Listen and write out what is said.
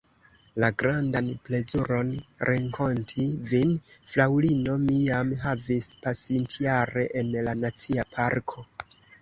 La grandan plezuron renkonti vin, fraŭlino, mi jam havis pasintjare en la Nacia Parko.